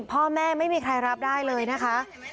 พ่อแม่ไม่มีใครรับได้เลยนะคะ